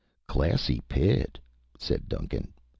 "Classy pit," said Duncan.